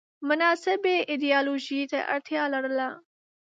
مناسبې ایدیالوژۍ ته اړتیا لرله